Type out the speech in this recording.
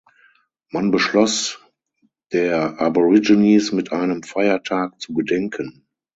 Man beschloss, der Aborigines mit einem Feiertag zu gedenken.